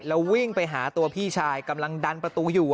แล้ววิ่งไปหาตัวพี่ชายกำลังดันประตูอยู่